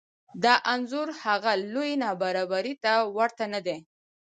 دا انځور هغه لویې نابرابرۍ ته ورته نه دی